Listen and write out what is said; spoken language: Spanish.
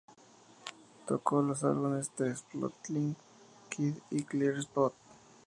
Tocó en los álbumes ""The Spotlight Kid"" y ""Clear Spot"".